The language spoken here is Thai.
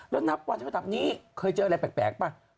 แล้วนับวันก็แบบนี้เคยเจออะไรแปลกป่ะ